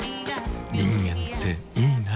人間っていいナ。